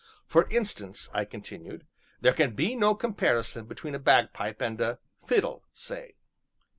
"For instance," I continued, "there can be no comparison between a bagpipe and a fiddle, say."